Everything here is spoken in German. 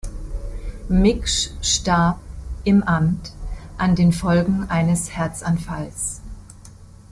Miksch starb, im Amt, an den Folgen eines Herzanfalls.